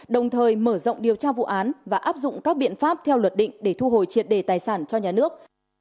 đồng thời mở rộng điều tra vụ án và áp dụng các biện pháp theo luật định để thu hồi triệt đề tài sản cho nhà nước